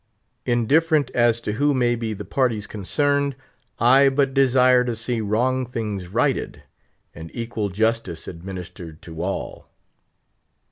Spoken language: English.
Indifferent as to who may be the parties concerned, I but desire to see wrong things righted, and equal justice administered to all.